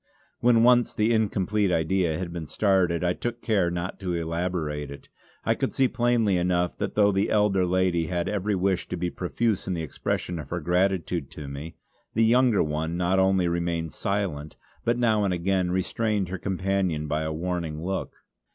When once the incomplete idea had been started I took care not to elaborate it. I could see plainly enough that though the elder lady had every wish to be profuse in the expression of her gratitude to me, the younger one not only remained silent but now and again restrained her companion by a warning look.